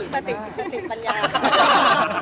สติปัญญา